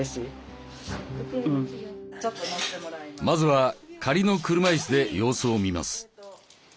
まずは仮の車いすで様子を見ます。